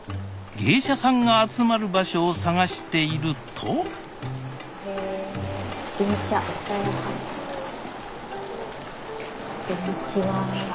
芸者さんが集まる場所を探しているとこんにちは。